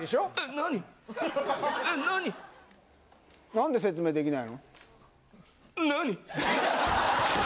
何で説明できないの？